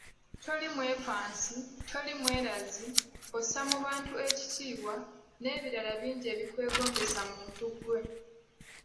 Toli mwepansi, toli mwerazi, ossa mu bantu ekitiibwa n'ebirala bingi ebikwegombesa muntu ggwe.